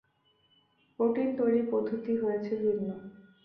Protein তৈরির পদ্ধতি হয়েছে ভিন্ন।